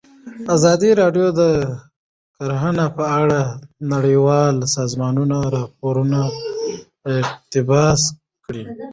ازادي راډیو د کرهنه په اړه د نړیوالو سازمانونو راپورونه اقتباس کړي.